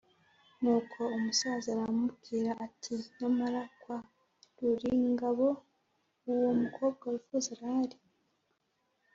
nuko umusaza aramubwira ati: “nyamara kwa ruringabo uwo mukobwa wifuza arahari